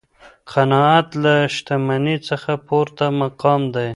قناعت له شتمنۍ څخه پورته مقام دی.